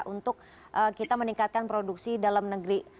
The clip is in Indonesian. untuk kita meningkatkan produksi dalam negeri